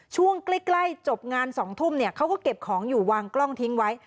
ช่วงใกล้จบงาน๒ทุ่มเนี่ยเขาก็เก็บของอยู่วางกล้องทิ้งไว้